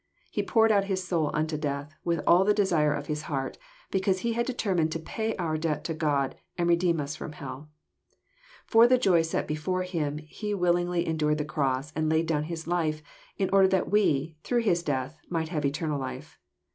He poured out His soul unto death with all the desire of His heart, because He had determined to pay our debt to God, and redeem us from hell. For the joy set before Him He will ingly endured the cross, and laid down His life, in order that we, through His death, might have eternal life.